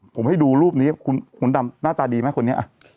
ผมให้ดูรูปนี้คุณดำหน้าตาดีไหมคนนี้